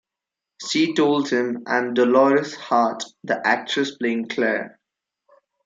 She told him I am Dolores Hart, the actress playing Clare.